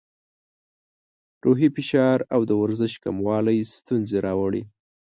روحي فشار او د ورزش کموالی ستونزې راوړي.